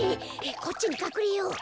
こっちにかくれよう！